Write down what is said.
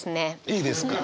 いいですか。